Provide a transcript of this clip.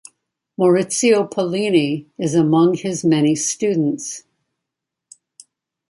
Maurizio Pollini is among his many students.